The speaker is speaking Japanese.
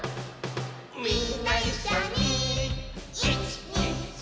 「みんないっしょに１・２・３！」